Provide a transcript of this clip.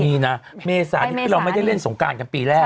ปีนะเมษานี้คือเราไม่ได้เล่นสงการกันปีแรก